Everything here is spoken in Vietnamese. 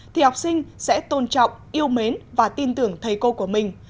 thì học sinh sẽ tôn trọng yêu mến và tin tưởng thầy cô của mình